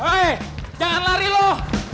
hei jangan lari lo